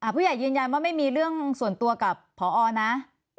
ผู้ใหญ่ยืนยันว่าไม่มีเรื่องส่วนตัวกับพอนะ